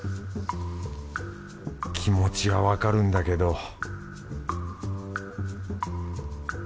気持ちはわかるんだけど